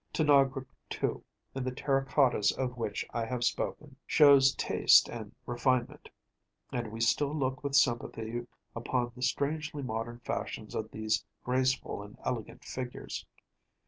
Tanagra, too, in the terra cottas of which I have spoken (above, p. 59), shows taste and refinement; and we still look with sympathy upon the strangely modern fashions of these graceful and elegant figures.